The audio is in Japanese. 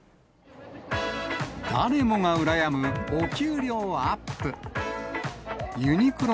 誰もが羨むお給料アップ。